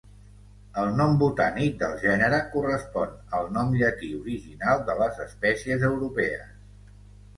El nom botànic del gènere, correspon al nom llatí original de les espècies europees.